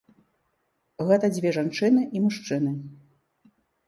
Гэта дзве жанчыны і мужчыны.